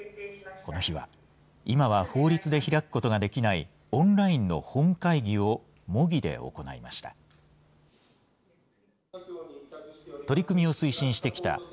この日は、今は法律で開くことができない、オンラインの本会議を模擬で行いました。